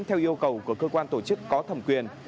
theo yêu cầu của cơ quan tổ chức có thẩm quyền